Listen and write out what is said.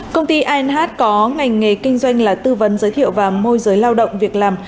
công ty anh có ngành nghề kinh doanh là tư vấn giới thiệu và môi giới lao động việc làm